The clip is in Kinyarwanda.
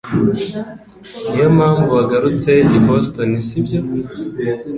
Niyo mpamvu wagarutse i Boston, sibyo?